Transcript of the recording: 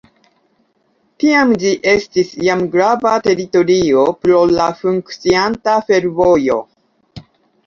Tiam ĝi estis jam grava teritorio pro la funkcianta fervojo.